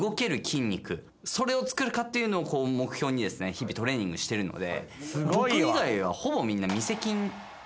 それをつくるかっていうのを目標に日々トレーニングしてるので。